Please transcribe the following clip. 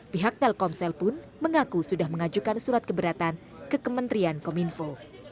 pihak telkomsel pun mengaku sudah mengajukan surat keberatan ke kementerian kominfo